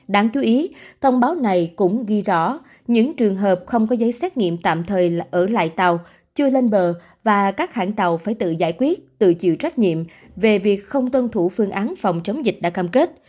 đáng chú ý thông báo này cũng ghi rõ những trường hợp không có giấy xét nghiệm tạm thời là ở lại tàu chưa lên bờ và các hãng tàu phải tự giải quyết tự chịu trách nhiệm về việc không tuân thủ phương án phòng chống dịch đã cam kết